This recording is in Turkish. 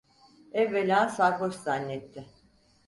Evvela sarhoş zannetti.